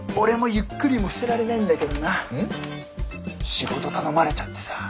仕事頼まれちゃってさ。